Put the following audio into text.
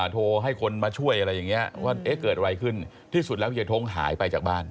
โทรให้คนมาช่วยอะไรอย่างนี้ว่าเอ๊ะเกิดอะไรขึ้นที่สุดแล้วเฮียท้งหายไปจากบ้าน